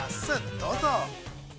どうぞ。